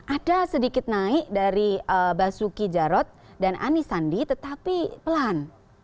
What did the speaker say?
ada sedikit naik dari basuki jarot dan anisandi tetapi pelan